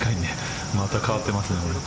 また変わってますね。